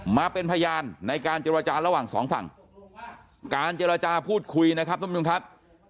มาเป็นพยานในการเจรจาระว่าง๒ฝั่งการเจรจาพูดคุยนะครับ